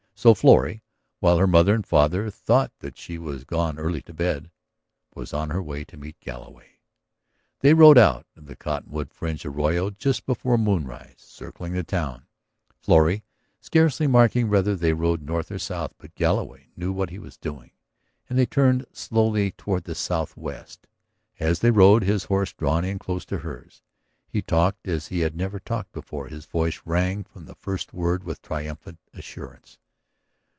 So Florrie, while her mother and father thought that she had gone early to bed, was on her way to meet Galloway. They rode out of the cottonwood fringed arroyo just before moonrise, circling the town, Florrie scarcely marking whether they rode north or south. But Galloway knew what he was doing and they turned slowly toward the southwest. As they rode, his horse drawn in close to hers, he talked as he had never talked before; his voice rang from the first word with triumphant assurance.